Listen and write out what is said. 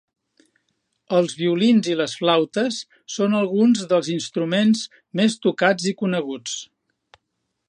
Els violins i les flautes són alguns dels instruments més tocats i coneguts.